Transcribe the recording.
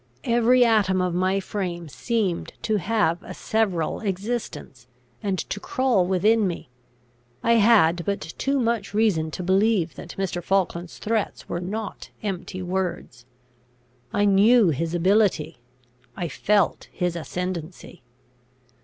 Every atom of my frame seemed to have a several existence, and to crawl within me. I had but too much reason to believe that Mr. Falkland's threats were not empty words. I knew his ability; I felt his ascendancy.